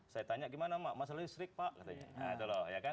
saya tanya gimana pak masalah listrik pak katanya